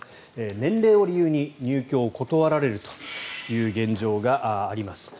年齢を理由に入居を断られるという現状があります。